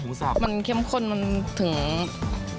มันเข้มคนเขาถึงรสชาติ